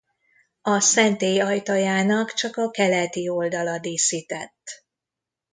A szentély ajtajának csak a keleti oldala díszített.